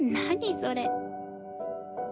それ。